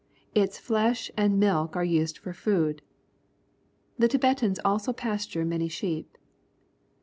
Its flesh and milk are used for food. The Tibetans also pasture many sheep.